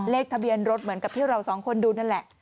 เลขทะเบียนรถเหมือนกับที่เราสองคนดูนั่นแหละ